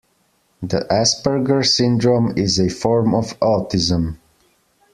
The Asperger syndrome is a form of autism.